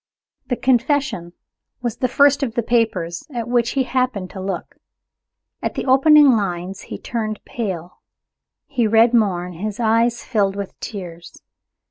The confession was the first of the papers at which he happened to look. At the opening lines he turned pale. He read more, and his eyes filled with tears.